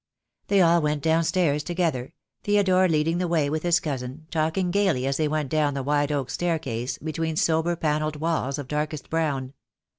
They all went down stairs together, Theodore leading the way with his cousin, talking gaily as they went down the wide oak staircase, between sober panelled walls of darkest brown.